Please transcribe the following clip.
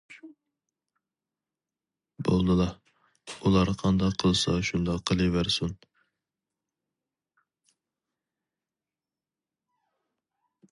بولدىلا، ئۇلار قانداق قىلسا شۇنداق قىلىۋەرسۇن.